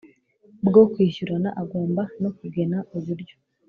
Bwo kwishyurana agomba no kugena uburyo